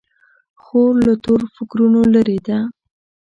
خور له تور فکرونو لیرې ده.